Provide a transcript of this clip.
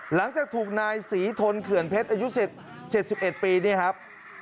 หลังจากถูกนายศรีทนเขื่อนเพชรอายุ๗๑ปีนี่ครับ